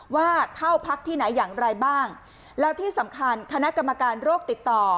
ว่าเข้าพักที่ไหนอย่างไรบ้างแล้วที่สำคัญคณะกรรมการโรคติดต่อ